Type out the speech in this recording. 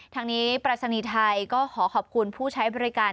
ทางนี้ปรายศนีย์ไทยก็ขอขอบคุณผู้ใช้บริการ